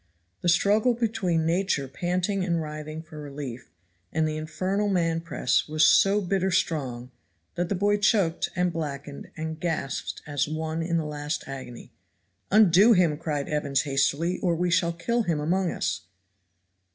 The struggle between Nature panting and writhing for relief, and the infernal man press, was so bitter strong that the boy choked and blackened and gasped as one in the last agony. "Undo him," cried Evans hastily, "or we shall kill him among us."